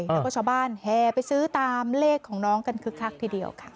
แล้วก็ชาวบ้านแห่ไปซื้อตามเลขของน้องกันคึกคักทีเดียวค่ะ